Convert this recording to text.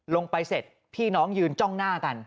ลงไปเสร็จพี่น้องยืนจ้องหน้ากัน